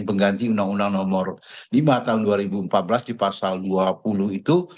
pengganti undang undang nomor lima tahun dua ribu empat belas di pasal dua puluh itu